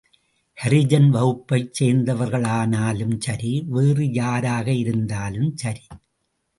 ஹரிஜன் வகுப்பைச் சேர்ந்தவர்களானாலும் சரி, வேறு யாராகயிருந்தாலும் சரி.